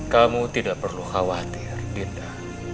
kamu tidak perlu khawatir kita